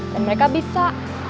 dan mereka bisa